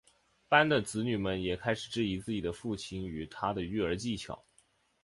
班的子女们也开始质疑自己的父亲与他的育儿技巧。